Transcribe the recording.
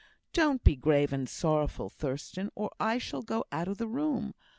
Don't be grave and sorrowful, Thurstan, or I'll go out of the room.